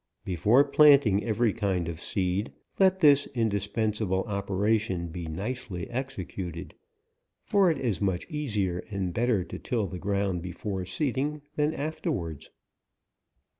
Before planting every kind of seed, let this indispen sable operation be nicely executed, for it is much easier and better to till the ground be fore seeding than afterwards.